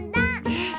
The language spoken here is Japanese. え！